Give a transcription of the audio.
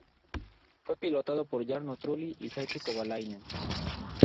Fue pilotado por Jarno Trulli y Heikki Kovalainen.